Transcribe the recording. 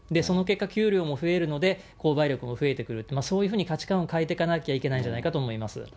その結果給料も増えるので、購買力も増えてくると、そういうふうに価値観を変えていかなきゃいけないんじゃないかなと思います。